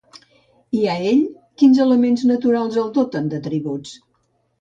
I a ell, quins elements naturals el doten d'atributs?